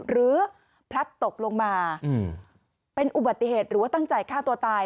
พลัดตกลงมาเป็นอุบัติเหตุหรือว่าตั้งใจฆ่าตัวตาย